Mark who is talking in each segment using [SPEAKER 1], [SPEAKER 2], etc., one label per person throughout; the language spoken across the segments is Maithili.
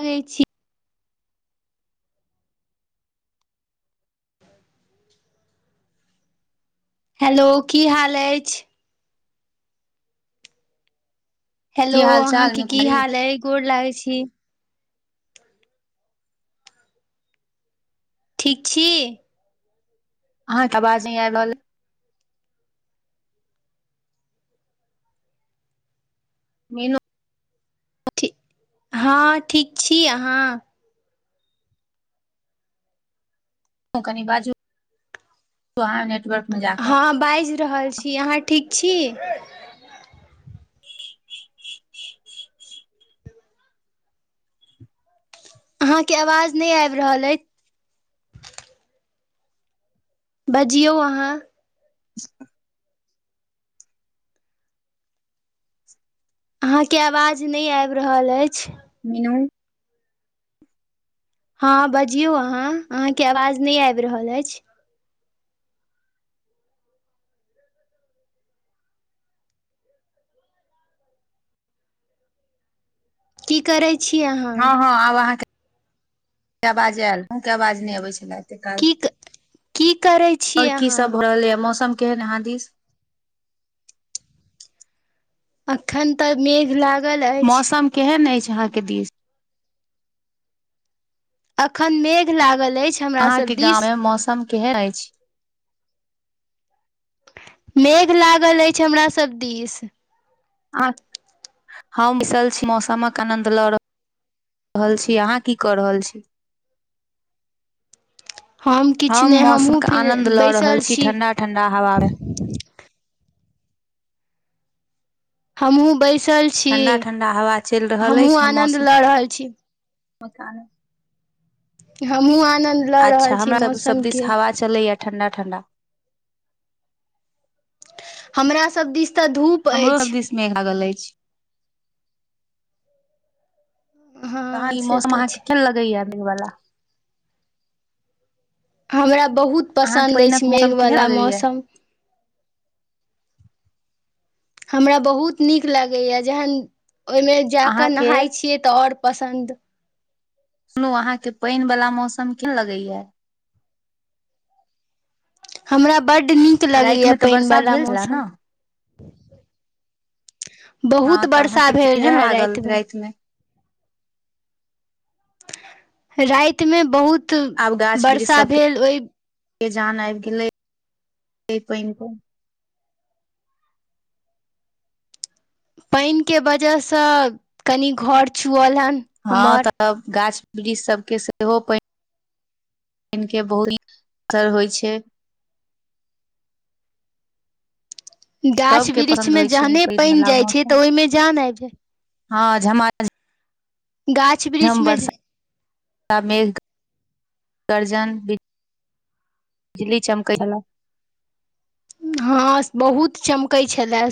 [SPEAKER 1] कहै छी। हेलो की हाल ऐछ? हेलो
[SPEAKER 2] की हाल
[SPEAKER 1] अहां
[SPEAKER 2] चाल
[SPEAKER 1] के
[SPEAKER 2] मीनू
[SPEAKER 1] की
[SPEAKER 2] कुमारी
[SPEAKER 1] हाल अय, गोर लागे छी। ठीक छी?
[SPEAKER 2] अहां के अवाज नै आएब रहल। मीनू।
[SPEAKER 1] हाँ ठीक छी अहाँ?
[SPEAKER 2] अहों कनि बाजू अहाँ नेटवर्क मे जा क।
[SPEAKER 1] हाँ बाएज रहल छी, अहाँ ठीक छी?
[SPEAKER 2] [inaudible]
[SPEAKER 1] अहाँ के अवाज नै आएब रहल अय। बजियौ अहाँ। अहाँके अवाज नै आएब रहल ऐछ।
[SPEAKER 2] मीनू।
[SPEAKER 1] हां बजियौ अहाँ, अहाँ के अवाज नै आएब रहल ऐछ। की करै छी अहाँ
[SPEAKER 2] हां-हां आब अहाँके अवाज आएल, अहूँ के अवाज नै अबै छलाए। ते काल
[SPEAKER 1] की की करै छी
[SPEAKER 2] और की
[SPEAKER 1] अहाँ
[SPEAKER 2] सब भ रहलै या मौसम केहेन अहाँ दिस।
[SPEAKER 1] अखन तऽ मेघ लाग
[SPEAKER 2] मौसम केहेन एछ अहाँ के दिस?
[SPEAKER 1] अखन मेघ लागल एछ।
[SPEAKER 2] अहाँ के गाँव मे मौसम केहेन एछ?
[SPEAKER 1] मेघ लागल एछ हमरा सब दिस।
[SPEAKER 2] आ हम बैसल छी मौसमक आनंद ल र हल छी, अहाँ की कऽ रहल छी?
[SPEAKER 1] किछु
[SPEAKER 2] हम
[SPEAKER 1] नहि हमहूँ
[SPEAKER 2] मौसम के
[SPEAKER 1] फिर
[SPEAKER 2] आनंद लऽ
[SPEAKER 1] बैसल
[SPEAKER 2] रहल छी ठंडा-ठंडा हवा मे।
[SPEAKER 1] हमहु बैसल छी,
[SPEAKER 2] ठंडा ठंडा हवा चलि रहल
[SPEAKER 1] हमहु आनंद लऽ रहल छी।
[SPEAKER 2] मकान मे
[SPEAKER 1] हमहु आनन्द लऽ
[SPEAKER 2] अच्छा
[SPEAKER 1] रहल छी
[SPEAKER 2] हमरा सब सब
[SPEAKER 1] मौसम
[SPEAKER 2] दिस
[SPEAKER 1] के।
[SPEAKER 2] हवा चलैया ठंडा-ठंडा।
[SPEAKER 1] हमरा सब दिस ते धूप
[SPEAKER 2] हमरो सब
[SPEAKER 1] अछि
[SPEAKER 2] दिस मेघ लागल ऐछ। अहाँ
[SPEAKER 1] हँ
[SPEAKER 2] ई
[SPEAKER 1] से
[SPEAKER 2] मौसम
[SPEAKER 1] तऽ
[SPEAKER 2] अहाँ के
[SPEAKER 1] छै
[SPEAKER 2] केहेन लगैया अभी वला?
[SPEAKER 1] हमरा बहुत
[SPEAKER 2] अहाँके
[SPEAKER 1] पसन्द एछ
[SPEAKER 2] पानिक
[SPEAKER 1] मेघ
[SPEAKER 2] मौसम केहन
[SPEAKER 1] वला
[SPEAKER 2] लगैया
[SPEAKER 1] मौसम। हमरा बहुत नीक लागैये जखन ओय मे जाकै
[SPEAKER 2] अहाँके
[SPEAKER 1] नहाय छियै तै और पसन्द
[SPEAKER 2] सुनू अहा के पैन वला मौसम कहेन लगैये?
[SPEAKER 1] हमरा बड् नीक
[SPEAKER 2] राति
[SPEAKER 1] लगैये
[SPEAKER 2] मे तऽ
[SPEAKER 1] पैन
[SPEAKER 2] वर्षा
[SPEAKER 1] वला
[SPEAKER 2] भेल छले ने
[SPEAKER 1] मौसम। बहुत
[SPEAKER 2] हँ तऽ
[SPEAKER 1] वर्षा
[SPEAKER 2] अहाँके
[SPEAKER 1] भेल
[SPEAKER 2] केहन
[SPEAKER 1] रहै
[SPEAKER 2] लागल
[SPEAKER 1] राति मे। राति मे बहुत वर्षा भेल ओहि
[SPEAKER 2] के जान आबि गेलै पानि के
[SPEAKER 1] पानि के वजह से कनि घर चुअलैन।
[SPEAKER 2] हँ तऽ गाछ वृक्ष सभके सेहो पानि। [unintelligible] असर होइ छै।
[SPEAKER 1] गाछ
[SPEAKER 2] सबके पसन्द
[SPEAKER 1] वृक्षमे
[SPEAKER 2] होइ छै
[SPEAKER 1] जहने
[SPEAKER 2] पानि
[SPEAKER 1] पैन
[SPEAKER 2] वाला
[SPEAKER 1] जाइ छै त ओय मे जान आएब जाय
[SPEAKER 2] हां झमाझम
[SPEAKER 1] गा
[SPEAKER 2] झम बर्षा मेघ गर्जन बि [unintelligible] बिजली चमकै वला
[SPEAKER 1] हँ बहुत चमकैत छले।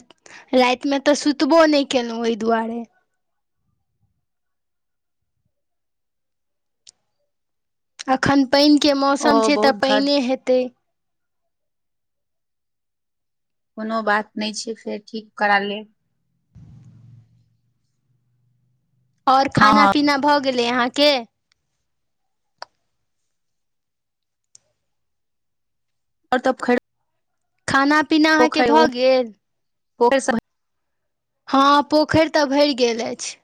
[SPEAKER 1] रातिमे तऽ सुतबो नहि केलहुँ ओहि दुआरे। अखन पानिके मौसम
[SPEAKER 2] ओहो
[SPEAKER 1] छै तऽ
[SPEAKER 2] बहुत
[SPEAKER 1] पानिये हेतै।
[SPEAKER 2] कोनो बात नहि छै, फेर ठीक करा लेब।
[SPEAKER 1] और
[SPEAKER 2] हँ हँ
[SPEAKER 1] खाना पीना भए गेलै अहाँके।
[SPEAKER 2] आओ तब खर [unintelligible]
[SPEAKER 1] खाना पीना अहाँके भऽ गेल।
[SPEAKER 2] ओ [unintelligible]
[SPEAKER 1] हँ पोखरि तऽ भरि गेल अछि।